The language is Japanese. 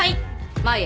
前へ。